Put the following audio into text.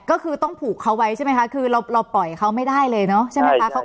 ก็คือต้องผูกเขาไว้ใช่ไหมคะคือเราปล่อยเขาไม่ได้เลยเนอะใช่ไหมคะ